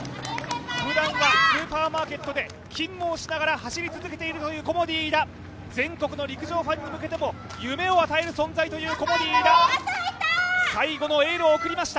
ふだんはスーパーマーケットで勤務をしながら走り続けているというコモディイイダ、全国の陸上ファンに向けても夢を与える存在というコモディイイダ、最後のエールを送りました。